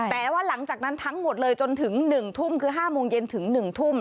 แต่ว่าหลังจากนั้นทั้งหมดเลยจนถึง๑ทุ่มคือ๕โมงเย็นถึง๑ทุ่ม